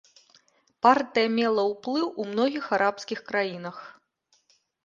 Партыя мела ўплыў у многіх арабскіх краінах.